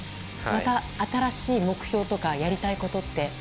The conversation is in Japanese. また新しい目標とかやりたいことって？